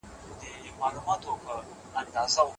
سياست پوهنه د بشري پوهې يوه ګټوره څانګه ده.